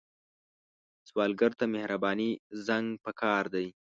سوالګر ته د مهرباني زنګ پکار دی